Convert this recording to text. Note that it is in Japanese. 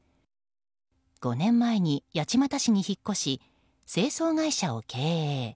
５年前に八街市に引っ越し清掃会社を経営。